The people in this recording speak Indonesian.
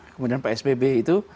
kemudian psbb itu